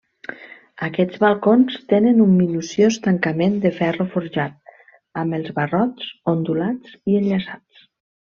Aquests balcons tenen un minuciós tancament de ferro forjat, amb els barrots ondulats i enllaçats.